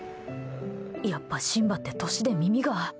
やっぱシンバって、年で耳が。